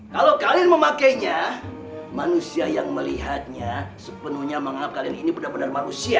kalau kalian memakainya manusia yang melihatnya sepenuhnya menganggap kalian ini benar benar manusia